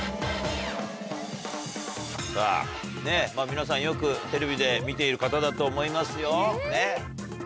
さぁねっ皆さんよくテレビで見ている方だと思いますよ。